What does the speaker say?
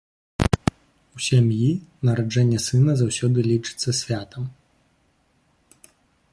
У сям'і нараджэнне сына заўсёды лічыцца святам.